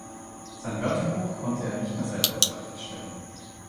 Sein Wörterbuch konnte er nicht mehr selber fertigstellen.